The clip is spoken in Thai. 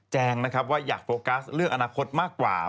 แจ้งนะครับว่าอยากโฟกัสเรื่องอนาคตมากกว่า